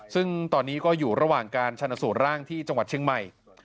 ซึ่งตอนนี้ก็อยู่ระหว่างการชนสูตรร่างที่จังหวัดเชียงใหม่